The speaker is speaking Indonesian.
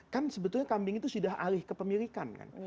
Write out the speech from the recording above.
kan sebetulnya kambing itu sudah alih ke pemilikan kan